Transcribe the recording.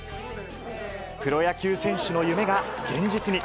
プロ野球選手の夢が現実に。